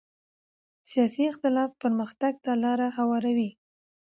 سیاسي اختلاف پرمختګ ته لاره هواروي